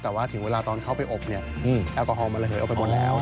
แต่ว่าถึงเวลาตอนเข้าไปอบเนี่ยแอลกอฮอลมันระเหยออกไปหมดแล้ว